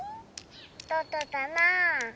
どこかな？